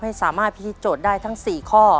ให้สามารถพิธีโจทย์ได้ทั้ง๔ข้อ